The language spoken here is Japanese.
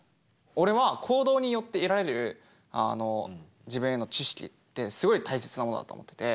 俺は行動によって得られる自分への知識ってすごい大切なものだと思ってて。